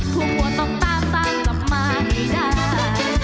ผู้บวชต้องตามตามจะมาให้ได้